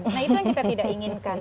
nah itu yang kita tidak inginkan